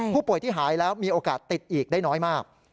ผู้ป่วยที่หายแล้วมีโอกาสติดอีกได้น้อยมาก